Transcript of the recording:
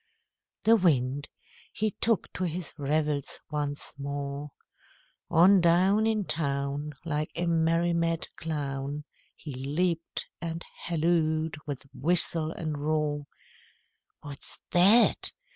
The Wind, he took to his revels once more; On down In town, Like a merry mad clown, He leaped and hallooed with whistle and roar, "What's that?"